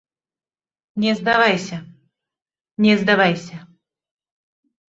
Не здавайся, не здавайся!